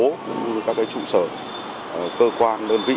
cũng như các trụ sở cơ quan đơn vị